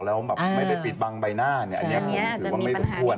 ก็แล้วไม่ไปปีดบังใบหน้าเนี่ยอันนี้คิดว่าไม่ได้สมควร